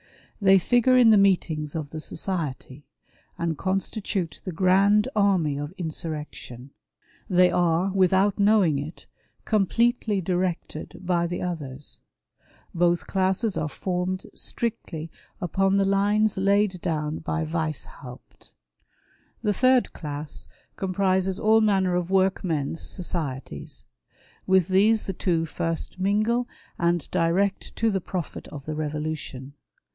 They figure in the meetings of the society, and constitute the grand army of insurrection ; they are, without knowing it, completely directed by the others. Both classes are formed strictly upon the lines laid down by Weishaupt. 1 1 8 WAR or ANTICHRIST WITH THE CHURCH. The third class comprises all manner of workmen's societies. With these tbe two first mingle, and direct to the profit of the Eevolution.